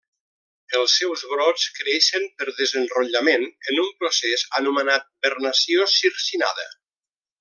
Els seus brots creixen per desenrotllament en un procés anomenat vernació circinada.